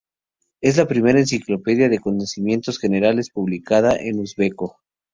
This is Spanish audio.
Es la primera enciclopedia de conocimientos generales publicada en uzbeko.